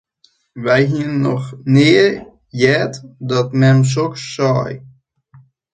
Wy hiene noch nea heard dat mem soks sei.